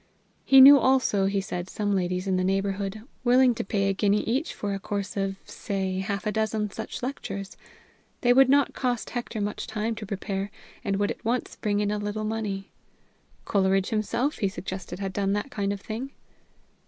He knew also, he said, some ladies in the neighborhood willing to pay a guinea each for a course of, say, half a dozen such lectures. They would not cost Hector much time to prepare, and would at once bring in a little money. Coleridge himself, he suggested, had done that kind of thing.